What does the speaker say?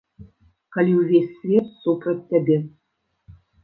Калі ўвесь свет супраць цябе.